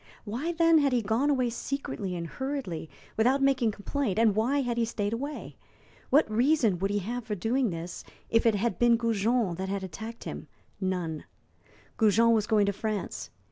Why, then, had he gone away secretly and hurriedly, without making complaint, and why had he stayed away? What reason would he have for doing this if it had been Goujon that had attacked him? None. Goujon was going to France.